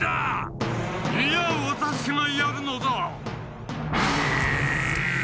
いやワタシがやるのだ！